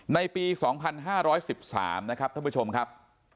ในปี๒๕๑๓นะครับท่านผู้ชมครับ